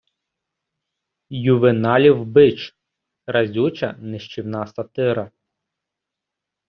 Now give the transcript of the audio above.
Ювеналів бич — разюча, нищівна сатира